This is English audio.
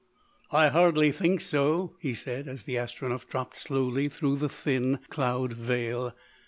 "I hardly think so," he said, as the Astronef dropped slowly through the thin cloud veil.